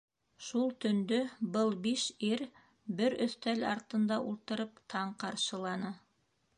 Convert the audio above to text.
Шул төндө был биш ир бер өҫтәл артында ултырып, таң ҡаршыланы.